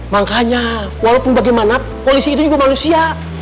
makanya walaupun bagaimana polisi itu juga manusia